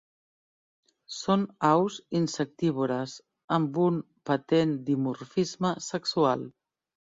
Són aus insectívores amb un patent dimorfisme sexual.